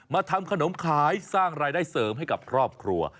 ทำขนมขายสร้างรายได้เสริมให้กับครอบครัว